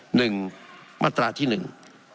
หนึ่งมาตราที่หนึ่ง